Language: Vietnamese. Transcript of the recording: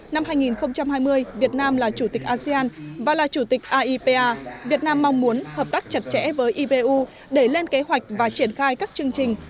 năm hai nghìn hai mươi việt nam là chủ tịch asean và là chủ tịch aipa việt nam mong muốn hợp tác chặt chẽ với ipu để lên kế hoạch và triển khai các chương trình